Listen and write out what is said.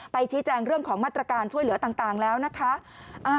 ชี้แจงเรื่องของมาตรการช่วยเหลือต่างแล้วนะคะ